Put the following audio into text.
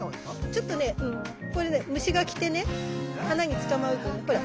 これね虫が来てね花につかまるとねほら。